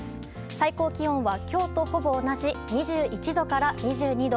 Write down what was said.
最高気温は今日とほぼ同じ２１度から２２度。